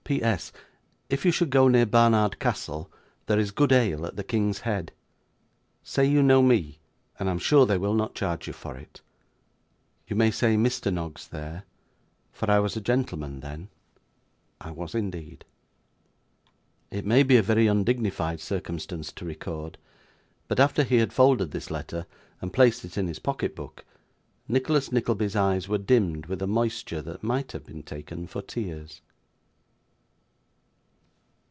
P.S. If you should go near Barnard Castle, there is good ale at the King's Head. Say you know me, and I am sure they will not charge you for it. You may say Mr. Noggs there, for I was a gentleman then. I was indeed. It may be a very undignified circumstances to record, but after he had folded this letter and placed it in his pocket book, Nicholas Nickleby's eyes were dimmed with a moisture that might have been taken for tears.